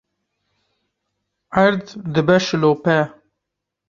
erd dibe şilope